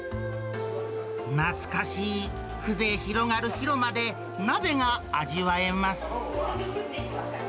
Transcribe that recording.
懐かしい風情広がる広間で、鍋が味わえます。